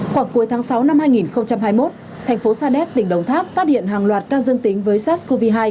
khoảng cuối tháng sáu năm hai nghìn hai mươi một thành phố sa đéc tỉnh đồng tháp phát hiện hàng loạt ca dương tính với sars cov hai